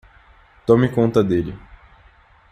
Tome conta dele.